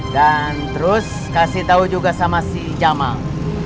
dan terus kasih tahu juga sama si jamal